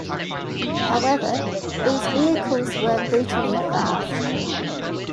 However, these vehicles were brutally fast.